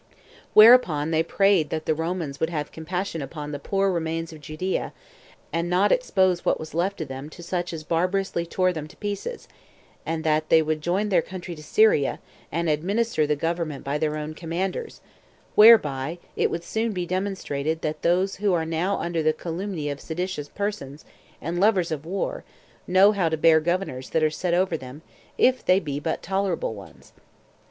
Whereupon they prayed that the Romans would have compassion upon the [poor] remains of Judea, and not expose what was left of them to such as barbarously tore them to pieces, and that they would join their country to Syria, and administer the government by their own commanders, whereby it would [soon] be demonstrated that those who are now under the calumny of seditious persons, and lovers of war, know how to bear governors that are set over them, if they be but tolerable ones.